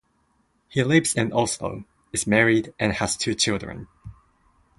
He lives in Oslo, is married, and has two children.